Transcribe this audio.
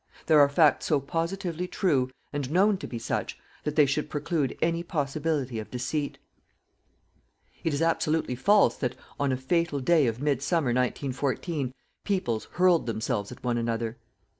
There are facts so positively true, and known to be such, that they should preclude any possibility of deceit. It is absolutely false that, on a fatal day of mid summer, 1914, peoples hurled themselves at one another.